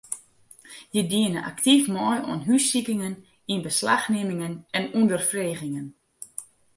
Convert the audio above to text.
Hja diene aktyf mei oan hússikingen, ynbeslachnimmingen en ûnderfregingen.